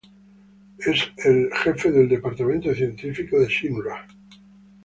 Es el líder del Departamento Científico de Shinra.